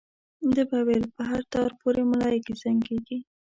ده به ویل په هر تار پورې ملایکې زنګېږي.